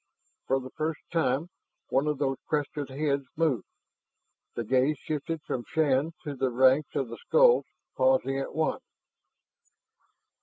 For the first time one of those crested heads moved, the gaze shifted from Shann to the ranks of the skulls, pausing at one.